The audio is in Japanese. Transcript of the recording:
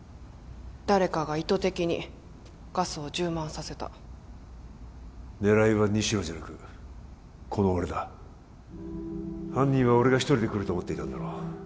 誰かが意図的にガスを充満させた狙いは西野じゃなくこの俺だ犯人は俺が一人で来ると思っていたんだろう